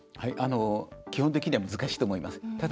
基本的には難しいと思います。